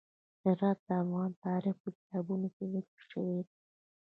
هرات د افغان تاریخ په کتابونو کې ذکر شوی دي.